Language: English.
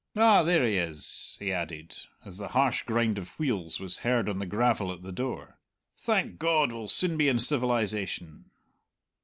Ah, there he is," he added, as the harsh grind of wheels was heard on the gravel at the door. "Thank God, we'll soon be in civilization."